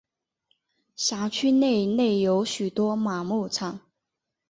辖区内内有许多马牧场。